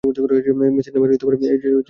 মেসির নামের পাশে এ যে বড্ড বেশি বেমানান।